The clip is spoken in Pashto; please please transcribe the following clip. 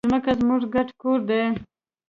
ځمکه زموږ ګډ کور دی.